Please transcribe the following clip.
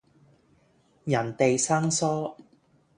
人地生疏